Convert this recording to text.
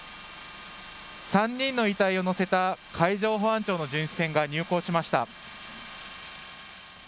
３人の遺体を乗せた海上保安庁の巡視船が入港しました。